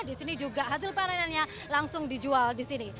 disini juga hasil panenannya langsung dijual disini